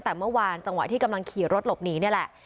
ต่างที่กำลังขี่รถหลบหนีนี่แหละ